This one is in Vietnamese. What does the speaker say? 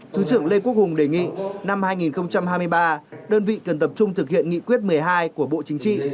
thứ trưởng lê quốc hùng đề nghị năm hai nghìn hai mươi ba đơn vị cần tập trung thực hiện nghị quyết một mươi hai của bộ chính trị